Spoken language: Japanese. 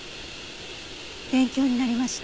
勉強になりました。